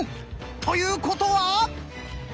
ということは！